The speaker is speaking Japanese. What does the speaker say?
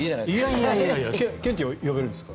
ケンティーは呼べるんですか？